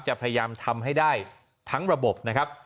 พยายามทำให้ได้ทั้งระบบนะครับ